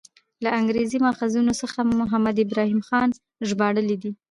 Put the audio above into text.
له انګریزي ماخذونو څخه محمد ابراهیم خان ژباړلی دی.